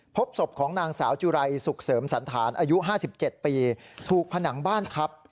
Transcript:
พบศพของนางสาวจุไรสุขเสริมสันธารอายุ๕๗ปีถูกผนังบ้านทับ